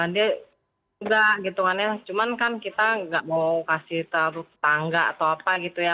dia udah gitu kan ya cuman kan kita gak mau kasih taruh ke tangga atau apa gitu ya